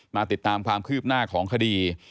มาติดตามความคืบหน้าของคดี